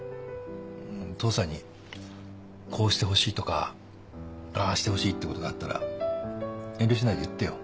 お父さんにこうしてほしいとかああしてほしいってことがあったら遠慮しないで言ってよ。